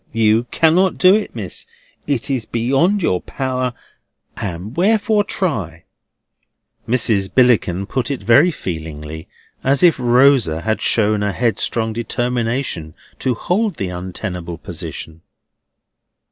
No, you cannot do it, Miss, it is beyond your power, and wherefore try?" Mrs. Billickin put it very feelingly, as if Rosa had shown a headstrong determination to hold the untenable position.